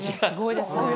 すごいです。